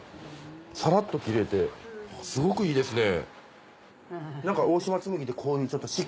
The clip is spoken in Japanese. サラっと着れてすごくいいですね。